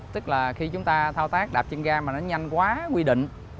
tức là khi chúng ta thao tác đạp trên ga mà nó nhanh quá quy định